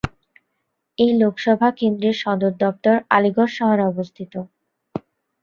এই লোকসভা কেন্দ্রের সদর দফতর আলিগড় শহরে অবস্থিত।